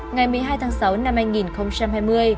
ngày một mươi hai tháng sáu năm hai nghìn hai mươi